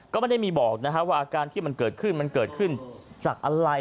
ก็ไม่ได้มีบอกว่าอาการที่มันเกิดขึ้นมันเกิดขึ้นจากอะไร